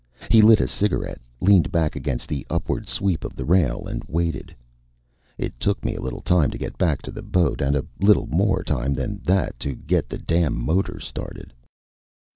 He lit a cigarette, leaned back against the upward sweep of the rail and waited. It took me a little time to get back to the boat and a little more time than that to get the damn motor started.